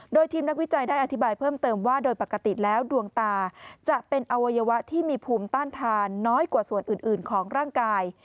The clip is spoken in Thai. โดยทีมนักวิจัยได้อธิบายเพิ่มเติมว่าโดยปกติแล้วดวงตาจะเป็นอวัยวะที่มีภูมิต้านทานน้อยกว่าส่วนอื่นของร่างกาย